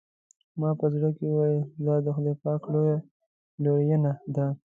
ما په زړه کې وویل دا د خدای پاک لویه لورېینه ده.